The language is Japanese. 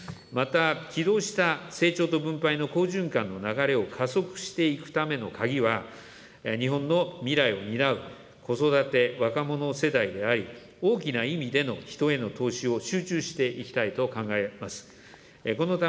また起動した成長と分配の好循環の流れを加速していくための鍵は、日本の未来を担う子育て・若者世代であり、大きな意味での人への投資を集中していきたいと考えます。